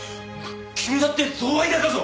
君だって贈賄罪だぞ！